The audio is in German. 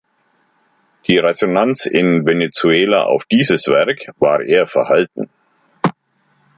Die Resonanz in Venezuela auf dieses Werk war eher verhalten.